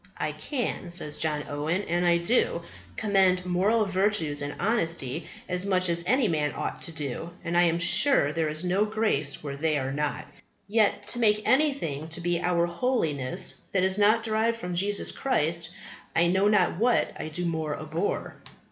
"I can," says John Owen, "and I do, commend moral virtues and honesty as much as any man ought to do, and I am sure there is no grace where they are not. Yet to make anything to be our holiness that is not derived from Jesus Christ, I know not what I do more abhor."